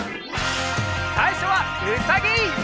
さいしょはうさぎ！